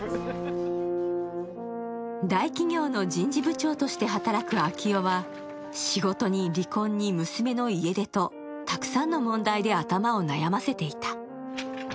大企業の人事部長として働く昭夫は仕事に離婚に娘の家出とたくさんの問題で頭を悩ませていた。